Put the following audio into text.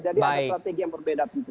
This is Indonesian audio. jadi ada strategi yang berbeda